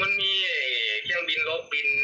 ครับตอนเช้าไปทำงานอยู่ครับผม